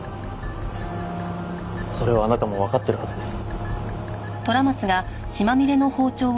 それはあなたもわかってるはずです。